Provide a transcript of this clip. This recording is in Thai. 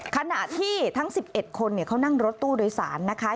ขณะที่ทั้ง๑๑คนเขานั่งรถตู้โดยสารนะคะ